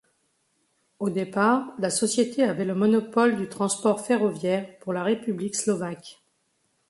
Au départ la société avait le monopole du transport ferroviaire pour la République Slovaque.